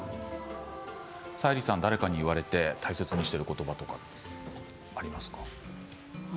沙莉さんは誰かに言われて大切にしていることばはありますか？